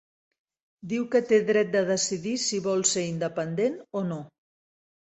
Diu que té dret de decidir si vol ser independent o no.